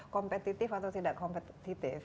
kompetitif atau tidak kompetitif